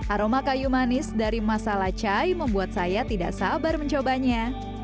aroma kayu manis dari masala chai membuat saya tidak sabar mencobanya